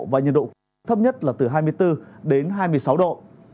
và nhiệt độ thấp nhất là từ hai mươi bốn đến hai mươi sáu độ